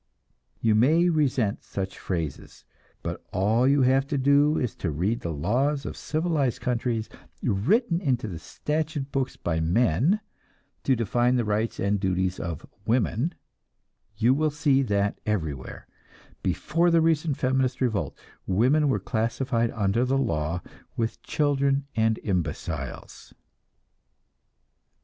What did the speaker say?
You may resent such phrases, but all you have to do is to read the laws of civilized countries, written into the statute books by men to define the rights and duties of women; you will see that everywhere, before the recent feminist revolt, women were classified under the law with children and imbeciles.